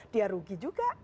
dia rugi juga